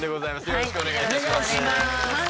よろしくお願いします。